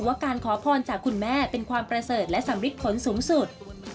ว่าการขอพรจากคุณแม่เป็นความประเสริฐและสำริดผลสูงสุด